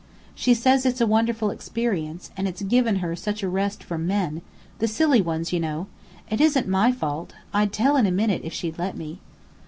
She says it's a wonderful experience and it's given her such a rest from men: the silly ones, you know. It isn't my fault. I'd tell in a minute if she'd let me."